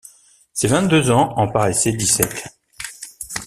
Ses vingt-deux ans en paraissaient dix-sept.